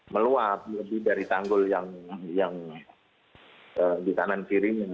meluap lebih dari tanggul yang di kanan kirinya